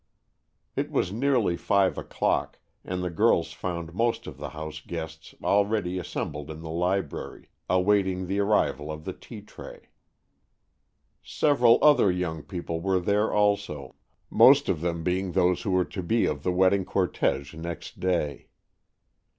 It was nearly five o'clock, and the girls found most of the house guests already assembled in the library, awaiting the arrival of the tea tray. Several other young people were there also, most of them being those who were to be of the wedding cortège next day.